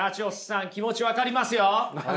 さん気持ち分かりますよ。